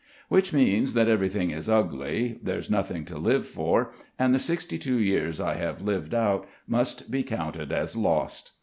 Which means that everything is ugly, there's nothing to live for, and the sixty two years I have lived out must be counted as lost.